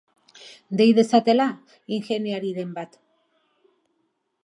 Dei dezatela ingeniariren bat.